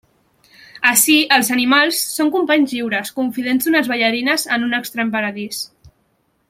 Ací, els animals són companys lliures, confidents d'unes ballarines en un estrany paradís.